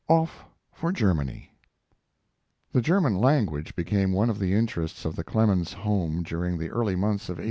OFF FOR GERMANY The German language became one of the interests of the Clemens home during the early months of 1878.